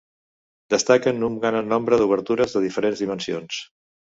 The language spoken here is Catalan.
Destaquen un gran nombre d'obertures de diferents dimensions.